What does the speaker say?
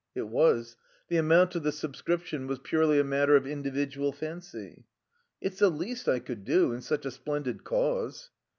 It was. The amount of the subscription was purely a matter of individual fancy. "It's the least I could do in such a splendid cause."